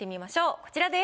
こちらです。